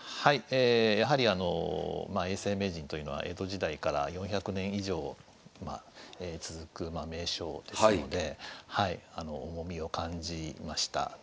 えやはりあの永世名人というのは江戸時代から４００年以上続く名称ですので重みを感じました。